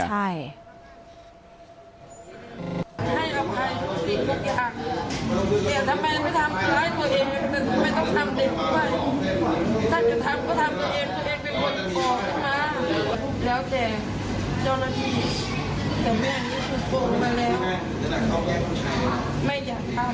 ก็ให้จะเป็นคนก่อนทาง